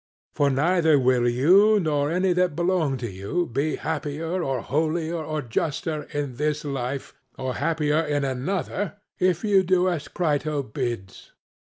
For neither will you nor any that belong to you be happier or holier or juster in this life, or happier in another, if you do as Crito bids.